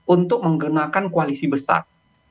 untuk menggenakan koalisi besar